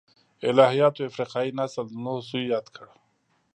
الهیاتو افریقايي نسل د نوح زوی یاد کړ.